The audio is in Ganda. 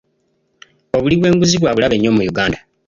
Obuli bw'enguzi bwa bulabe nnyo mu Uganda.